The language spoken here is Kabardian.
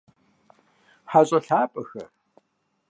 Хьэщӏэ лъапӏэхэ!